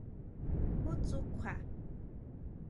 ¿Ju tsú kjua?